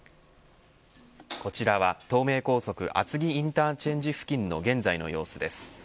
こちらは東名高速厚木インターチェンジ付近の現在の様子です。